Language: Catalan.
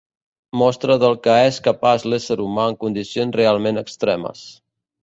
Mostra del que és capaç l'ésser humà en condicions realment extremes.